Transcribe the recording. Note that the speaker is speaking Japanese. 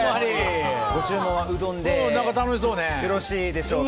ご注文はうどんでよろしいでしょうか。